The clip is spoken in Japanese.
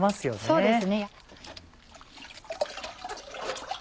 そうですね。